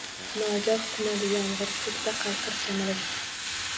Nogoh tinadi yomg‘ir. Ko‘kda qalqir kamalak.